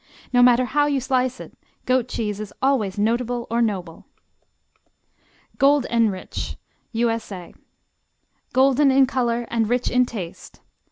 No matter how you slice it, goat cheese is always notable or noble. Gold N Rich U.S.A. Golden in color and rich in taste.